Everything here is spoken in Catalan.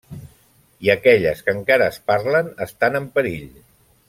I aquelles que encara es parlen estan en perill.